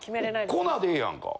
粉でええやんか。